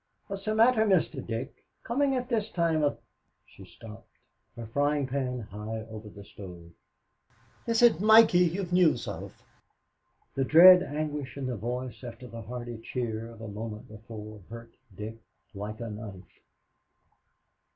"What's the matter, Mr. Dick, comin' in at this time of " She stopped her frying pan high over the stove. "Is it Mikey you've news of?" The dread anguish in the voice after the hearty cheer of a moment before hurt Dick like a knife.